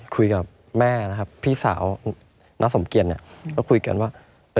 คุยกับแม่นะครับพี่สาวน้าสมเกียจเนี่ยก็คุยกันว่า